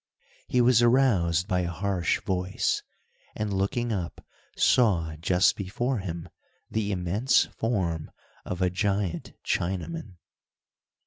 He was aroused by a harsh voice, and looking up, saw, just before him, the immense form of a giant Chinaman.